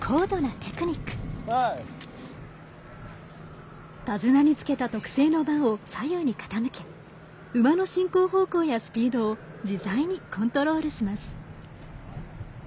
手綱につけた特製のバーを左右に傾け馬の進行方向やスピードを自在にコントロールします。